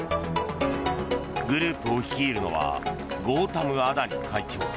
グループを率いるのはゴータム・アダニ会長。